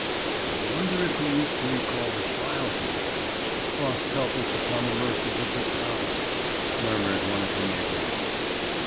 "I wonder if he used to recall the child he left, tossed helpless upon the mercies of the town?" murmured one of the neighbors.